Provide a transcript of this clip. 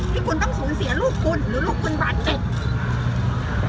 ที่คุณต้องสูญเสียลูกคุณหรือลูกคุณบาดเจ็บ